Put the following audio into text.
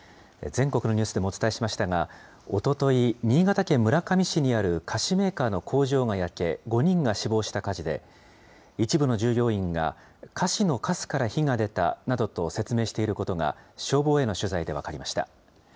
全国のニュースでもお伝えしましたが、おととい、新潟県村上市にある菓子メーカーの工場が焼け、５人が死亡した火事で、一部の従業員が、菓子のかすから火が出たなどと説明していることが、消防への取材で分かりました。